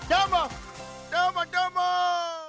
どーも、どーも！